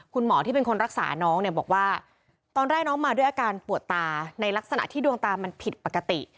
คุณหมอที่เป็นคนรักษาน้องเนี่ยบอกว่าตอนแรกน้องมาด้วยอาการปวดตาในลักษณะที่ดวงตามันผิดปกติ